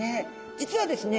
実はですね